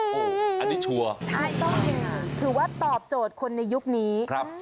โอ้โหอันนี้ชัวร์ใช่ค่ะถือว่าตอบโจทย์คนในยุคนี้ครับ